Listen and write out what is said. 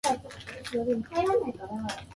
誰かと文章被ると提出できないらしい。